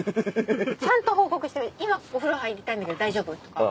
ちゃんと報告して「今お風呂入りたいんだけど大丈夫？」とか。